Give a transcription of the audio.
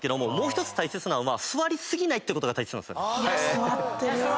座ってる。